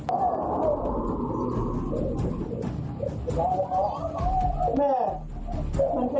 ข้างบนนี้เหรอ